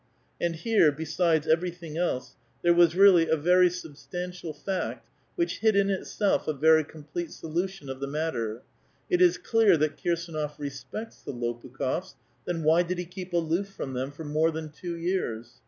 And here, besides everything else, there was really a very 1 258 A VITAL QUESTION. Bubstantial fact, which hid in itself a very complete solution of the matter. It is clear that Kir«»4nof respects the Lopu kh6fs ; then why did he keep aloof from them for more than two years